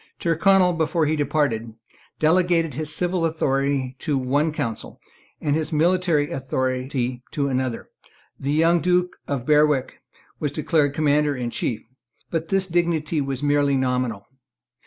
Tyrconnel, before he departed, delegated his civil authority to one council, and his military authority to another. The young Duke of Berwick was declared Commander in Chief; but this dignity was merely nominal.